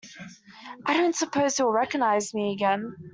I don’t suppose he would recognise me again.